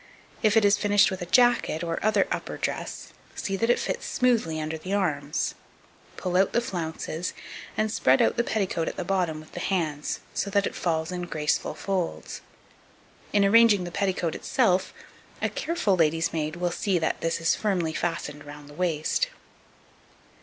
If it is finished with a jacket, or other upper dress, see that it fits smoothly under the arms; pull out the flounces, and spread out the petticoat at the bottom with the hands, so that it falls in graceful folds. In arranging the petticoat itself, a careful lady's maid will see that this is firmly fastened round the waist.